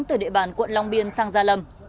từ địa bàn quận long biên sang gia lâm